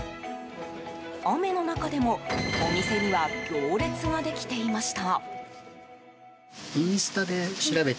雨の中でもお店には行列ができていました。